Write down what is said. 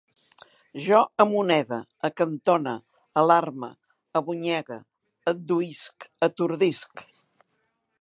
Jo amonede, acantone, alarme, abonyegue, adduïsc, atordisc